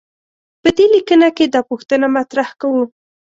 په دې لیکنه کې دا پوښتنه مطرح کوو.